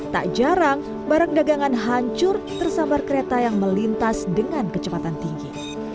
tak jarang barang dagangan hancur tersambar kereta yang melintas dengan kecepatan tinggi